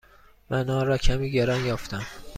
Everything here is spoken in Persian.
من آن را کمی گران یافتم.